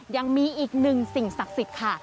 ยังมีอีกหนึ่งสิ่งศักดิ์สิทธิ์ค่ะ